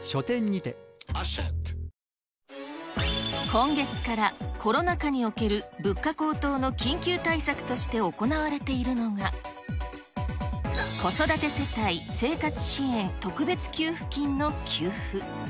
今月からコロナ禍における物価高騰の緊急対策として行われているのが、子育て世帯生活支援特別給付金の給付。